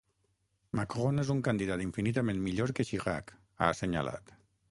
Macron és un candidat infinitament millor que Chirac, ha assenyalat.